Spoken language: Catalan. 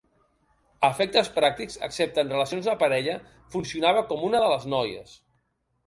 A efectes pràctics, excepte en relacions de parella, funcionava com una de les noies.